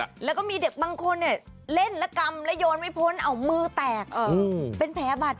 แล้วก็มีเด็กบางคนอ่ะเล่นรักกำแล้วยนไม่พ้นเอามือแตกเป็นแพ้บัตร